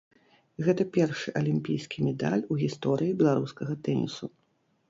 Гэта першы алімпійскі медаль у гісторыі беларускага тэнісу.